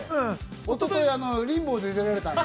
おとといリンボーで出られたんで。